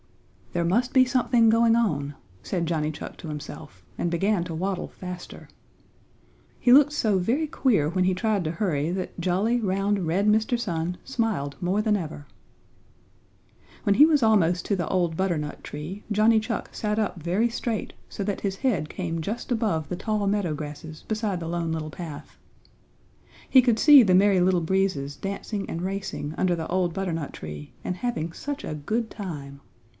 "There must be something going on," said Johnny Chuck to himself, and began to waddle faster. He looked so very queer when he tried to hurry that jolly round, red Mr. Sun smiled more than ever. When he was almost to the old butter nut tree Johnny Chuck sat up very straight so that his head came just above the tall meadow grasses beside the Lone Little Path. He could see the Merry Little Breezes dancing and racing under the old butternut tree and having such a good time!